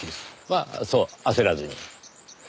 まあそう焦らずに。